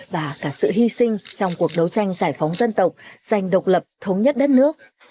và cả sự hy sinh trong cuộc đấu tranh giải phóng dân tộc giành độc lập thống nhất đất nước